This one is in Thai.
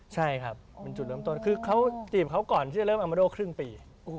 ใช่ครับเป็นจุดเริ่มต้นคือเขาจีบเขาก่อนที่จะเริ่มอัมมาโดครึ่งปี